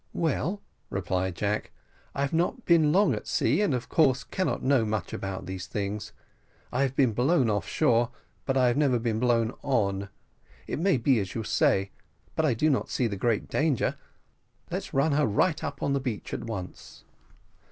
"Well," replied Jack, "I have not been long at sea, and, of course, cannot know much about these things. I have been blown off shore, but I never have been blown on. It may be as you say, but I do not see the great danger let's run her right up on the beach at once."